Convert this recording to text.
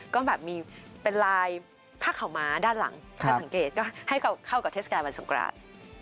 ก็แบบมีเป็นลายผ้าขาวม้าด้านหลังถ้าสังเกตก็ให้เข้ากับเทศกาลวันสงคราน